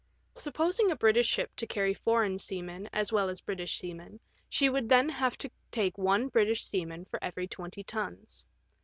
Supposing a British ship to carry foreign sea men as well as British seamen, she would then have to take one British seaman, for every twenty tons.